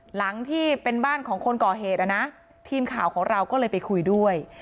หลังที่เป็นบ้านของคนก่อเหตุนะทีมข่าวของเราก็เลยไปคุยด้วย